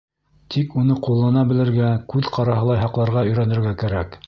Тик уны ҡуллана белергә, күҙ ҡараһылай һаҡларға өйрәнергә кәрәк.